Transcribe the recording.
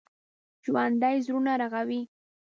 ژوندي زړونه رغوي